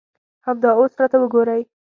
همدا اوس راته وګورئ.